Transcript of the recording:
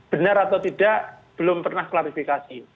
benar atau tidak belum pernah klarifikasi